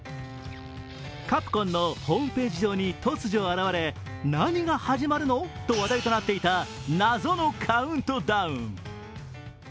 カプコンのホームページ上に突如現れ、何が始まるの？と話題となっていた謎のカウントダウン。